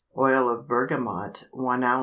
Oil of bergamot 1 oz.